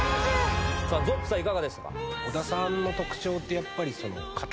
ｚｏｐｐさんいかがでしたか？